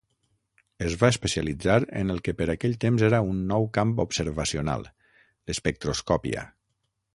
Es va especialitzar en el que per aquell temps era un nou camp observacional: l'espectroscòpia.